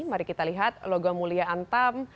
mari kita lihat logam mulia antam